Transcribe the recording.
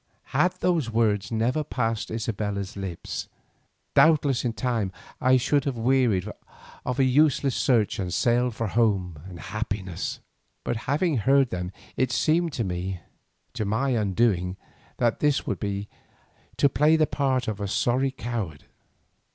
Had those words never passed Isabella's lips, doubtless in time I should have wearied of a useless search and sailed for home and happiness. But having heard them it seemed to me, to my undoing, that this would be to play the part of a sorry coward.